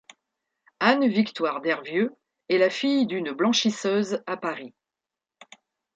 Anne-Victoire Dervieux est la fille d'une blanchisseuse à Paris.